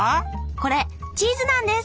これチーズなんです。